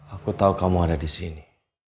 aku tau kamu ada disini